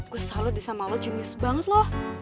gue salah disama lo jenius banget loh